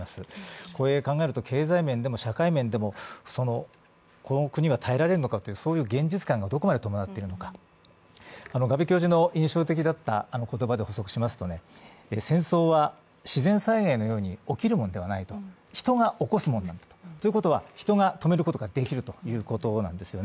経済面でも社会面でもこの国は耐えられるのかがどこまで伴っているのか、我部教授の印象的だった言葉で捕捉しますと、戦争は自然災害のように起きるものではない人が起こすものだと、ということは人が止めることができるということなんですよね。